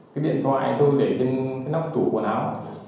cái điện thoại tôi để trên cái nóc tủ quần áo